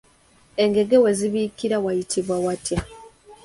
Engege we zibiikira wayitibwa watya?